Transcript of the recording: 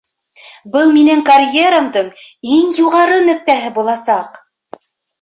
Был минең карьерамдың иң юғары нөктәһе буласаҡ!